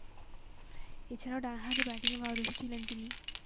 এছাড়াও, ডানহাতে ব্যাটিংয়ে পারদর্শী ছিলেন তিনি।